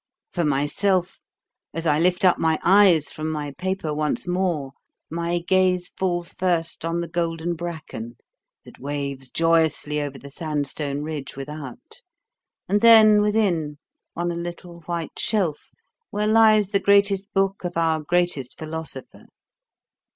For myself, as I lift up my eyes from my paper once more, my gaze falls first on the golden bracken that waves joyously over the sandstone ridge without, and then, within, on a little white shelf where lies the greatest book of our greatest philosopher.